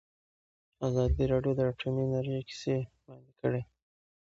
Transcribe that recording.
ازادي راډیو د اټومي انرژي کیسې وړاندې کړي.